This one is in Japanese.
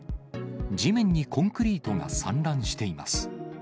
地面にコンクリートが散乱しています。